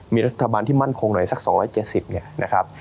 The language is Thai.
มีรัฐบาลที่มั่นคงหน่อยสักสองร้อยเจสิบเนี่ยนะครับ